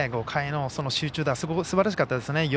５回の集中打すばらしかったですね。